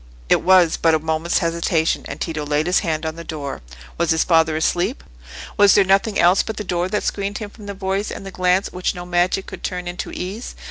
It was but a moment's hesitation, and Tito laid his hand on the door. Was his father asleep? Was there nothing else but the door that screened him from the voice and the glance which no magic could turn into ease?